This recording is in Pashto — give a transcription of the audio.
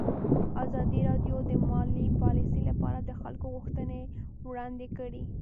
ازادي راډیو د مالي پالیسي لپاره د خلکو غوښتنې وړاندې کړي.